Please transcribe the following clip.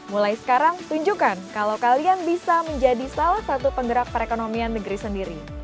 mulai sekarang tunjukkan kalau kalian bisa menjadi salah satu penggerak perekonomian negeri sendiri